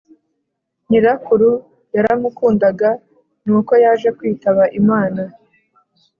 Nyirakuru yaramukundaga nuko yaje kwitaba imana